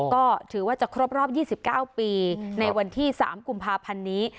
ก็ถือว่าจะครบรอบ๒๙ปีในวันที่๓กุมภาพันธ์นี้